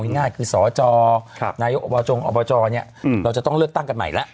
ง่ายคือสจนออเราจะต้องเลือกตั้งกันใหม่แล้ว